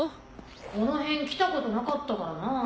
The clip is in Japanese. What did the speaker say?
この辺来たことなかったからな。